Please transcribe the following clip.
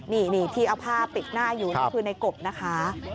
นี่ที่เอาผ้าปิดหน้าอยู่นี่คือในกบนะคะ